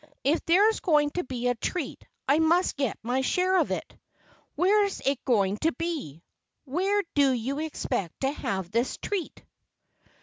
If there's going to be a treat I must get my share of it. ... Where's it going to be where do you expect to have this treat?"